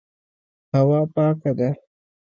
هوا پاکه ده.